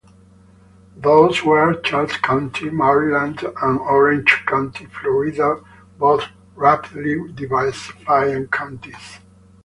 Those were Charles County, Maryland; and Orange County Florida, both rapidly diversifying counties.